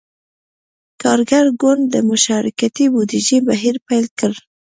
کارګر ګوند د »مشارکتي بودیجې« بهیر پیل کړ.